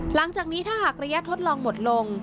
หลังจากนี้ถ้าหากระยะทดลองหมดลง